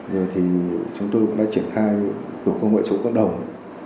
rồi thì chúng tôi cũng đã triển khai tổ công nghệ số cộng đồng